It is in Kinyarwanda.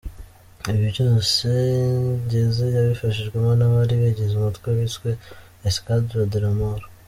Ibi byose Ngeze yabifashijwemo n’abari bagize umutwe wiswe Escadro de la mort.